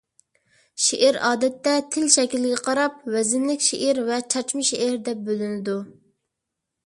شېئىر ئادەتتە تىل شەكلىگە قاراپ ۋەزىنلىك شېئىر ۋە چاچما شېئىر دەپ بۆلۈنىدۇ.